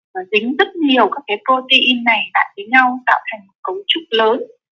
và dính rất nhiều các cái protein này đặt với nhau tạo thành một cấu trúc lớn